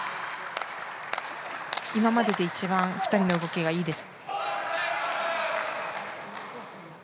今までで一番ふたりの動きがいいです。